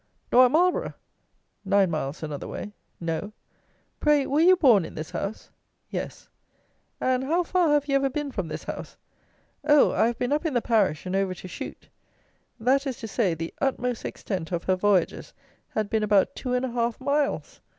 "Nor at Marlborough?" (nine miles another way) "No." "Pray, were you born in this house?" "Yes." "And how far have you ever been from this house?" "Oh! I have been up in the parish and over to Chute." That is to say, the utmost extent of her voyages had been about two and a half miles!